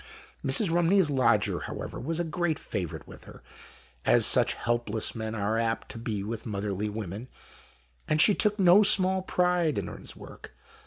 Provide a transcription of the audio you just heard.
Mrs. Rumney's lodger, however, was a great favourite with her, as such helpless men are apt to be with motherly women, and she took no small pride in his work.